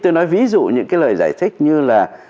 tôi nói ví dụ những cái lời giải thích như là